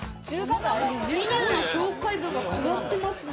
メニューの紹介文が変わってますね。